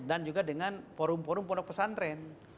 dan juga dengan forum forum produk pesantren